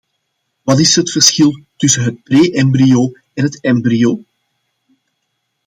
Wat is het verschil tussen het pre-embryo en het embryo?